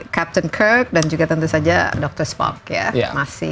captain kirk dan juga tentu saja dr spock ya